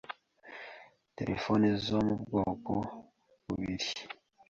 telephone zo mu bwoko bubiri,